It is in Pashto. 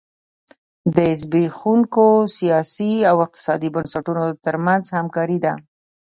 د زبېښونکو سیاسي او اقتصادي بنسټونو ترمنځ همکاري ده.